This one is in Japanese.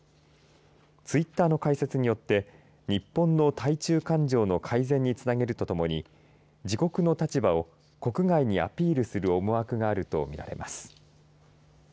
ツイッターの開設によって日本の対中感情の改善につなげるとともに自国の立場を国外にアピールする思惑があるとみられます。